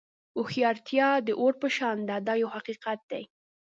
هوښیارتیا د اور په شان ده دا یو حقیقت دی.